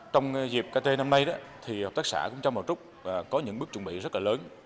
trong dịp kt năm nay hợp tác xã trong bảo trúc có những bước chuẩn bị rất là lớn